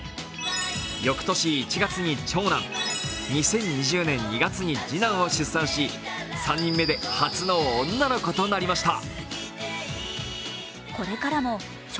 翌年１月に長男２０２０年２月に次男を出産し３人目で初の女の子となりました。